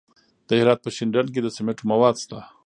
د هرات په شینډنډ کې د سمنټو مواد شته.